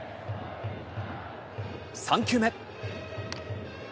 ３球目。